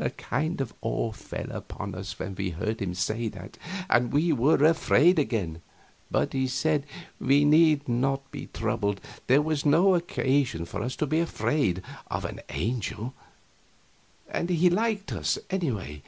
A kind of awe fell upon us when we heard him say that, and we were afraid again; but he said we need not be troubled, there was no occasion for us to be afraid of an angel, and he liked us, anyway.